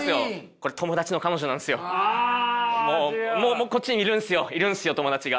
もうこっちにいるんですよいるんですよ友達が。